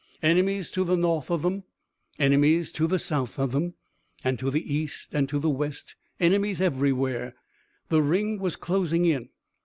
Enemies to the north of them, enemies to the south of them, and to the east and to the west, enemies everywhere. The ring was closing in.